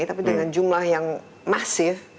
tapi dengan jumlah yang masif